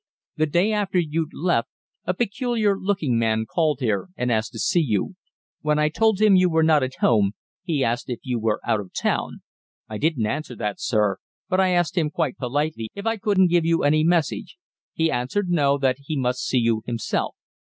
"The day after you'd left, a peculiar looking man called here, and asked to see you. When I told him you were not at home, he asked if you were out of town. I didn't answer that, sir, but I asked him quite politely if I couldn't give you any message. He answered No, that he must see you himself.